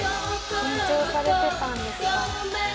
緊張されてたんですか。